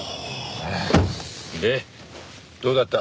でどうだった？